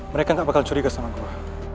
mereka gak bakal curiga sama gue